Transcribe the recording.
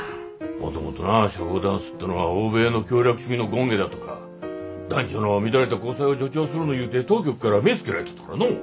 もともとな社交ダンスってのは欧米の享楽主義の権化だとか男女の乱れた交際を助長するのいうて当局から目ぇつけられとったからのお。